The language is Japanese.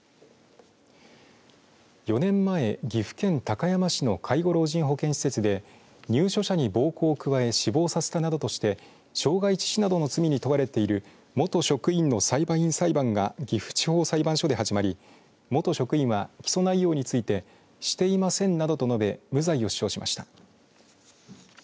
４年前、岐阜県高山市の介護老人保健施設で入所者に暴行を加え死亡させたなどとして傷害致死の罪に問われている元職員の裁判員裁判が岐阜地方裁判所で始まり元職員は、起訴内容についてしていませんなどと述べ無罪を主張しました。